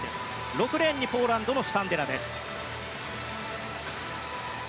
６レーンにポーランドのシュタンデラです。